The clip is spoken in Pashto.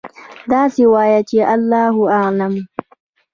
داسې وایئ چې: الله أعلم.